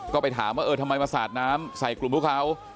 ก็ไปถามว่าเออทำไมมาสาดน้ำใส่กลุ่มพวกเขา